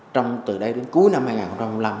trong từ đây đến cuối năm hai nghìn năm